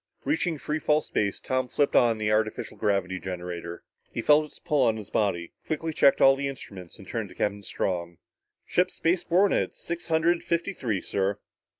Reaching free fall space, Tom flipped on the artificial gravity generator. He felt its pull on his body, quickly checked all the instruments and turned to Captain Strong. "Ship space borne at six hundred fifty three, sir."